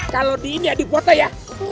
kalau di ini ya dipotok ya